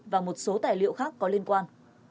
và một số tài liệu khác có liên quan